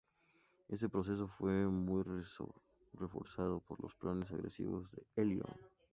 Ese proceso fue muy reforzado por los planes agresivos de Elío.